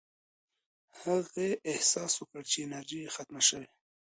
هغې احساس وکړ چې انرژي یې ختمه شوې.